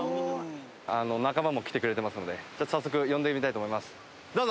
仲間も来てくれてますので呼んでみたいと思いますどうぞ！